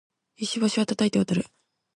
石橋は叩いて渡る